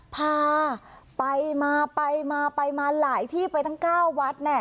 พาไปมาไปมาไปมาหลายที่ไปทั้ง๙วัด